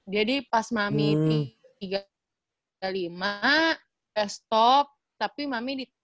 jadi pas mami di tiga puluh lima stop tapi mami di tiga puluh lima